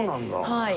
はい。